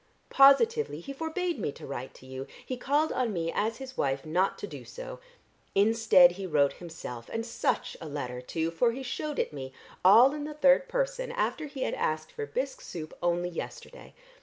Positively he forbade me to write to you, he called on me as his wife not so to do. Instead he wrote himself, and such a letter too, for he shewed it me, all in the third person, after he had asked for bisque soup only yesterday!